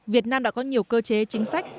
việt nam đã có nhiều cơ chế chính sách